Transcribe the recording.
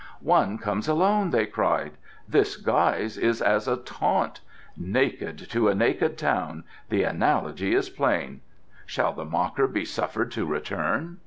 "One comes alone," they cried. "This guise is as a taunt." "Naked to a naked town the analogy is plain." "Shall the mocker be suffered to return?"